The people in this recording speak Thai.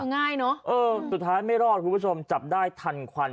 ง่ายเนอะเออสุดท้ายไม่รอดคุณผู้ชมจับได้ทันควัน